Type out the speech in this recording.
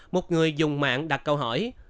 một người dùng mạng đặt câu hỏi